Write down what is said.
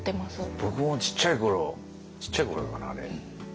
僕もちっちゃいころちっちゃいころかなあれ。